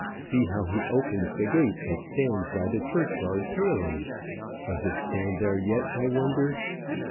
See how he opens the gate that stands by the churchyard paling? Does it stand there yet, I wonder?